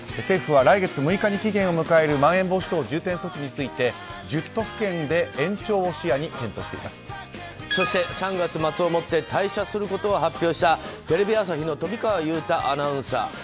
政府は来月６日に期限を迎えるまん延防止等重点措置について１０都府県で延長を視野にそして３月末をもって退社することを発表したテレビ朝日の富川悠太アナウンサー。